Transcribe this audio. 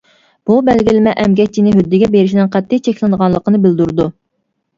بۇ بەلگىلىمە ئەمگەكچىنى ھۆددىگە بېرىشنىڭ قەتئىي چەكلىنىدىغانلىقىنى بىلدۈرىدۇ.